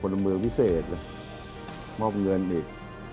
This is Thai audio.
เป็นคนมือวิเศษมอบเงินอีก